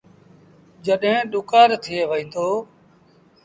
جڏهيݩ ڏُڪآر ٿئي وهيٚتو۔